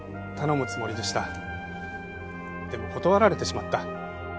でも断られてしまった。